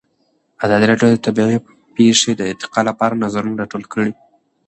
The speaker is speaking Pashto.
ازادي راډیو د طبیعي پېښې د ارتقا لپاره نظرونه راټول کړي.